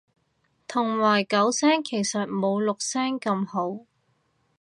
同埋九聲其實冇六聲咁好